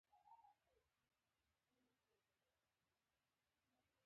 د اسپاگان مانا جنگيالي اس سواره دي